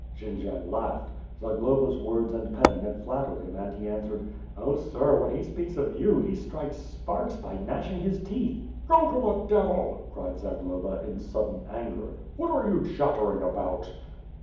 Jendzian laughed. Zagloba's words and petting had flat tered him, and he answered: "Oh, Sir, when he speaks of you, he strikes sparke by gnash ing his teeth." 4i6 WITH FIRE AND SWORD. "Go to the devil/' cried Zagloba, in sudden anger. "What are you chattering about?"